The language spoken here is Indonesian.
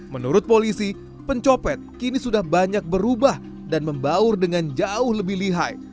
menurut polisi pencopet kini sudah banyak berubah dan membaur dengan jauh lebih lihai